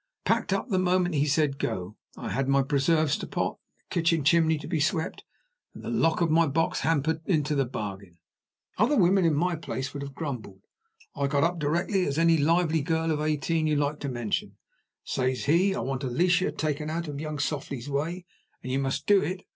Packed up the moment he said Go. I had my preserves to pot, and the kitchen chimney to be swept, and the lock of my box hampered into the bargain. Other women in my place would have grumbled I got up directly, as lively as any girl of eighteen you like to mention. Says he, 'I want Alicia taken out of young Softly's way, and you must do it.